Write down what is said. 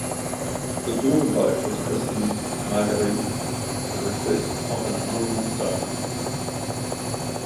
The daughter boat was christened Margarete at the request of an anonymous donor.